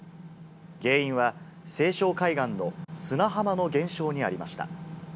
原因は西湘海岸の砂浜の減少にありました。